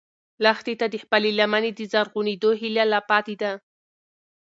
لښتې ته د خپلې لمنې د زرغونېدو هیله لا پاتې ده.